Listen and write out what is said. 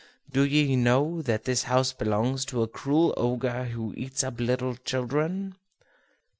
Do ye know that this house belongs to a cruel ogre who eats up little children?"